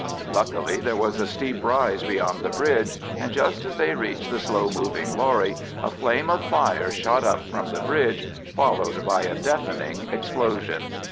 Luckily there was a steep rise beyond the bridge, and just as they reached the slow moving lorry a flame of fire shot up from the bridge followed by a deafening explosion.